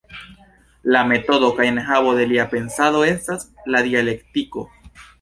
La metodo kaj enhavo de lia pensado estas la dialektiko.